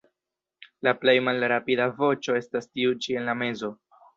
La plej malrapida voĉo estas tiu ĉi en la mezo.